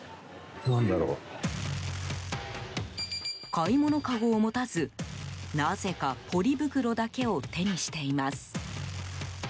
買い物かごを持たず、なぜかポリ袋だけを手にしています。